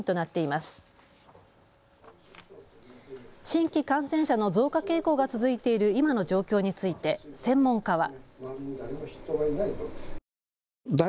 新規感染者の増加傾向が続いている今の状況について専門家は。